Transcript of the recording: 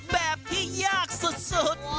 แบบที่ยากสุด